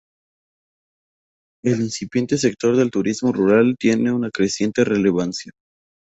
El incipiente sector del turismo rural tiene una creciente relevancia.